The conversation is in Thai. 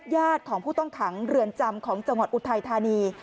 ญาติของผู้ต้องขังเรือนจำของจังหวัดอุทัยธานี